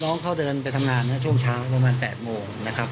น้องเขาเดินไปทำงานช่วงเช้าประมาณ๘โมงนะครับ